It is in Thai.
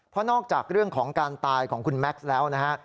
เพราะนอกจากเรื่องของการตายของคุณแม็กซ์แล้วนะฮะ